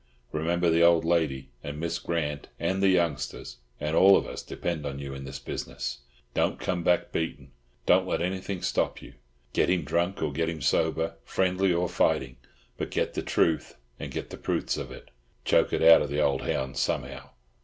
Remember the old lady, and Miss Grant, and the youngsters, and all of us depend on you in this business. Don't come back beaten. Don't let anything stop you. Get him drunk or get him sober—friendly or fighting—but get the truth, and get the proofs of it. Choke it out of the old hound somehow."